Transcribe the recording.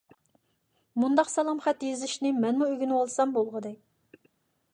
مۇنداق سالام خەت يېزىشنى مەنمۇ ئۆگىنىۋالسام بولغۇدەك.